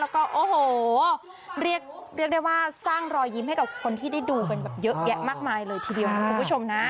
แล้วก็โอ้โหเรียกได้ว่าสร้างรอยยิ้มให้กับคนที่ได้ดูกันแบบเยอะแยะมากมายเลยทีเดียวนะคุณผู้ชมนะ